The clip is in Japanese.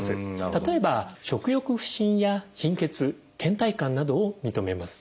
例えば食欲不振や貧血けん怠感などを認めます。